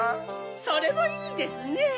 それもいいですね！